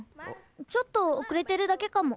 ちょっとおくれてるだけかも。